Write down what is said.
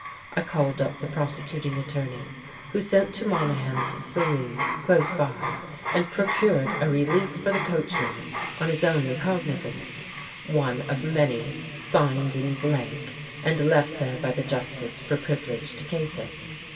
I called up the prosecuting attorney, who sent to Monahan's saloon, close by, and procured a release for the coachman on his own recognizance, one of many signed in blank and left there by the justice for privileged cases.